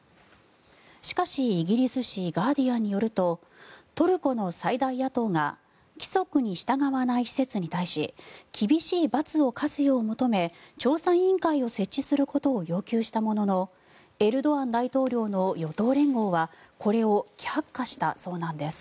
しかし、イギリス紙ガーディアンによるとトルコの最大野党が規則に従わない施設に対し厳しい罰を科すよう求め調査委員会を設置することを要求したもののエルドアン大統領の与党連合はこれを却下したそうなんです。